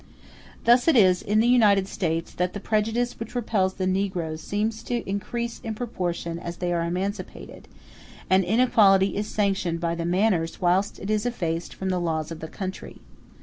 Thus it is, in the United States, that the prejudice which repels the negroes seems to increase in proportion as they are emancipated, and inequality is sanctioned by the manners whilst it is effaced from the laws of the country.